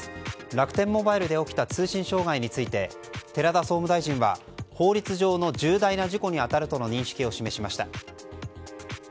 楽天モバイルで起きた通信障害について寺田総務大臣は法律上の重大な事故に当たるとの認識を示しました。